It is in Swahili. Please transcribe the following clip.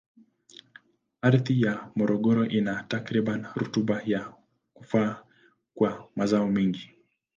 Ardhi ya Morogoro ina takribani rutuba ya kufaa kwa mazao mengi.